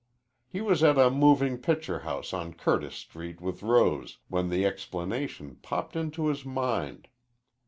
He was at a moving picture house on Curtis Street with Rose when the explanation popped into his mind.